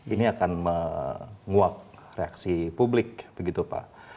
ini akan menguak reaksi publik begitu pak